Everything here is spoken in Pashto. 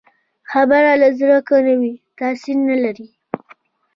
خبره له زړه که نه وي، تاثیر نه لري